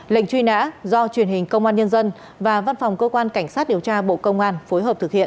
lệnh truy nã do truyền hình công an nhân dân và văn phòng cơ quan cảnh sát điều tra bộ công an phối hợp thực hiện